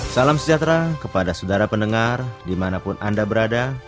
salam sejahtera kepada saudara pendengar dimanapun anda berada